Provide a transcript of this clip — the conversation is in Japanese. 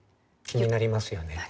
気になりますよね。